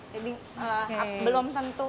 jadi belum tentu